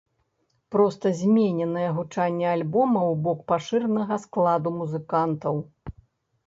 Проста змененае гучанне альбома ў бок пашыранага складу музыкантаў.